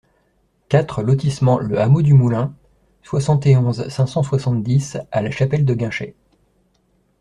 quatre lotissement Le Hameau du Moulin, soixante et onze, cinq cent soixante-dix à La Chapelle-de-Guinchay